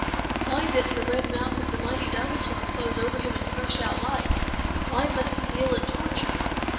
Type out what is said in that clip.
Why didn't the red mouth of the mighty dinosaur close over him and crush out life? Why must he kneel in torture?